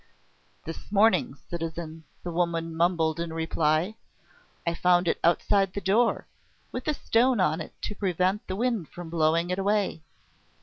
"This morning, citizen," the woman mumbled in reply. "I found it outside the door, with a stone on it to prevent the wind from blowing it away.